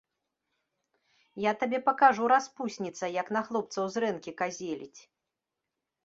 Я табе пакажу, распусніца, як на хлопцаў зрэнкі казеліць!